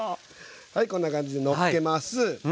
はいこんな感じでのっけます。